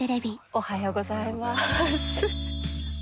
おはようございます。